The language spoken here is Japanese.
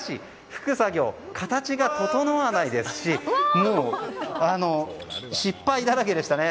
吹く作業、形が整わないですしもう失敗だらけでしたね。